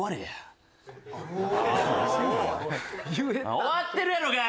終わってるやろがい！